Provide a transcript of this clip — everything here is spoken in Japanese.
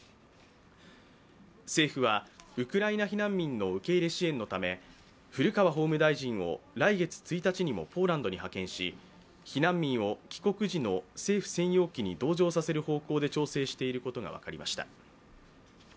政府は、ウクライナ避難民の受け入れ支援のため、古川法務大臣を来月１日にもポーランドに派遣し、避難民を帰国時の政府専用機に同乗させる方向で調整していることが分かりました。